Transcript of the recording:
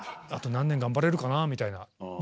あと何年頑張れるかなみたいな。